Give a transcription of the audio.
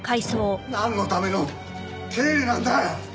なんのための経理なんだ。